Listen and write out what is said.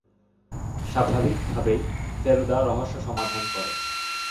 স্বাভাবিকভাবেই ফেলুদা রহস্য সমাধান করে।